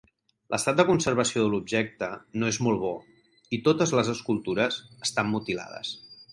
L'estat de conservació de l'objecte no és molt bo, i totes les escultures estan mutilades.